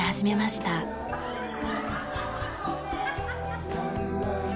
アハハハ！